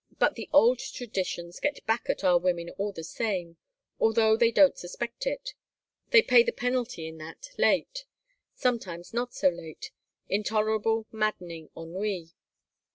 But the old traditions get back at our women all the same, although they don't suspect it. They pay the penalty in that late sometimes not so late intolerable maddening ennui.